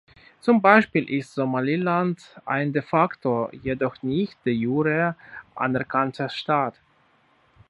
Zum Beispiel ist Somaliland ein "de facto", jedoch nicht "de jure" anerkannter Staat.